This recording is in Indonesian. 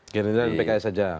gerindra dan pks saja